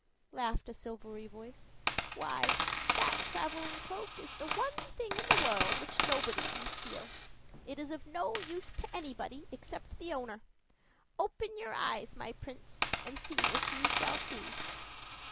laughed a silvery voice. "Why, that traveling cloak is the one thing in the world which nobody can steal. It is of no use to anybody except the owner. Open your eyes, my Prince, and see what you shall see."